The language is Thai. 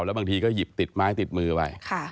แล้วบางทีก็หยิบติดไม้ติดมือไป